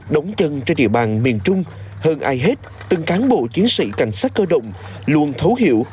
đóng chân trên địa bàn miền trung hơn ai hết từng cán bộ chiến sĩ cảnh sát cơ động luôn thấu hiểu